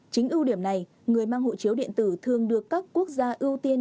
chính ưu điểm này người mang hộ chiếu điện tử thường được các quốc gia ưu tiên